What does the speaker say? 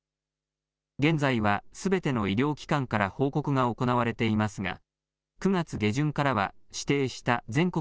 現在はすべての医療機関から報告が行われていますが、９月下旬からは指定した全国